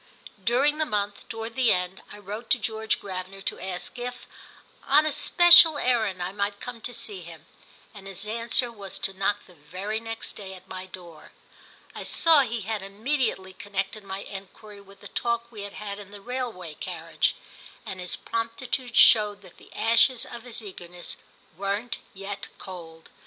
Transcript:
During the month, toward the end, I wrote to George Gravener to ask if, on a special errand, I might come to see him, and his answer was to knock the very next day at my door. I saw he had immediately connected my enquiry with the talk we had had in the railway carriage, and his promptitude showed that the ashes of his eagerness weren't yet cold.